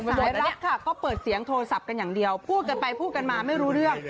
ไทยรัฐค่ะก็เปิดเสียงโทรศัพท์กันอย่างเดียวพูดกันไปพูดกันมาไม่รู้เรื่อง